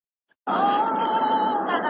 زوی به بازار ته روان وي.